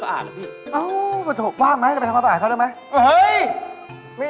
อ้าวว่างไหมก็ไปทำความสะอาดเขาด้วยไหม